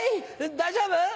大丈夫？